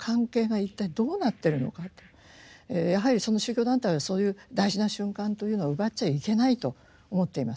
やはりその宗教団体はそういう大事な瞬間というのを奪っちゃいけないと思っています。